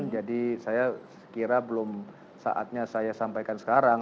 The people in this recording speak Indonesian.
jadi saya kira belum saatnya saya sampaikan sekarang